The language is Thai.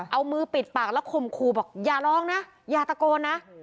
เอามือปิดปากแล้วข่มขู่บอกอย่าร้องนะอย่าตะโกนนะ